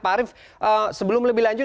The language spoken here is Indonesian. pak arief sebelum lebih lanjut